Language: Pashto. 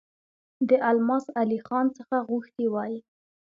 د الماس علي خان څخه غوښتي وای.